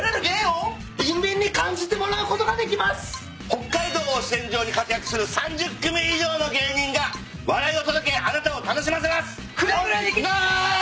北海道を主戦場に活躍する３０組以上の芸人が笑いを届けあなたを楽しませます。